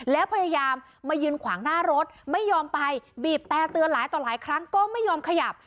แล้วพยายามมายืนขวางหน้ารถไม่ยอมไปบีบแต่เตือนหลายต่อหลายครั้งก็ไม่ยอมขยับ